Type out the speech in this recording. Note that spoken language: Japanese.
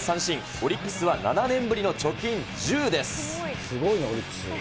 オリックスは７年ぶりの貯金１０です。